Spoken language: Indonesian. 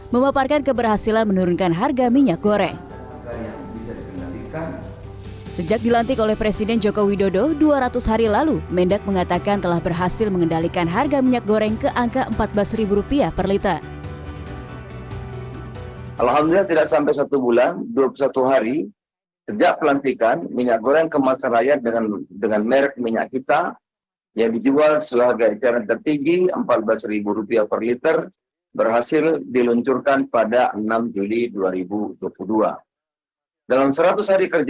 telah berhasil mengendalikan harga minyak goreng ke angka rp empat belas per liter